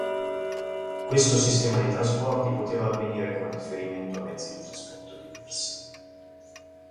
Questo sistema di trasporti poteva avvenire con riferimento a mezzi di trasporto diversi.